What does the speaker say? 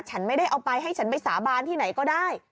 ฉันไม่ได้เอาไปให้ฉันไปสาบานที่ไหนก็ได้